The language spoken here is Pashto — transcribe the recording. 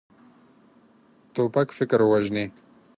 توپک فکر وژني.